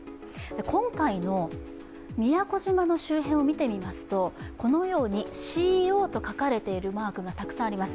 今回の宮古島の周辺を見てみますと、このようにＣｏと書かれているマークがたくさんあります。